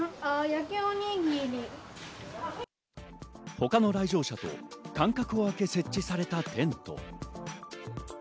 他の来場者と間隔をあけ設置されたテント。